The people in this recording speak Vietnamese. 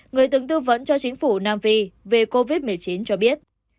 người từng tư vấn cho chính phủ nam phi về covid một mươi chín cho biết